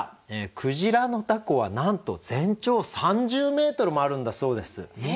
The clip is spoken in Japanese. クジラの凧はなんと全長３０メートルもあるんだそうです。え！